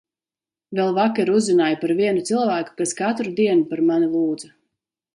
Vēl vakar uzzināju par vienu cilvēku, kas katru dienu par mani lūdza.